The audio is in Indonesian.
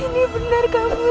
ya begitulah keadaannya nih mas